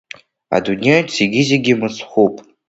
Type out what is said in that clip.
Адунеиаҿ зегьы-зегьы мыцхәуп…